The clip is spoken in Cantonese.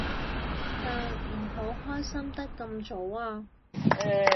但唔好開心得咁早啊